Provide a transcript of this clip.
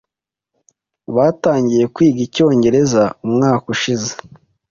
Batangiye kwiga icyongereza umwaka ushize.